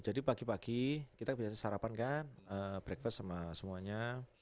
jadi pagi pagi kita bisa sarapan kan breakfast sama semuanya